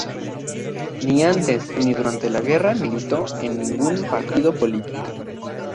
Ni antes ni durante la guerra militó en ningún partido político.